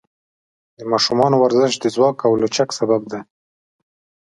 د ماشومانو ورزش د ځواک او لچک سبب دی.